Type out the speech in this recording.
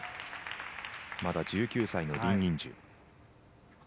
まだ１９歳のリン・インジュ。